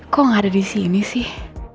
kok nggak ada di sini sih